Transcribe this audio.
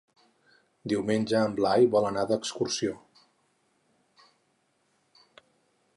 Diumenge en Blai vol anar d'excursió.